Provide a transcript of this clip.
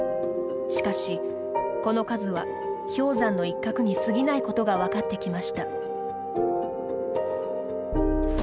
しかし、この数は氷山の一角にすぎないことが分かってきました。